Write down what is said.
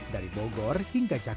dari bogor hingga cakit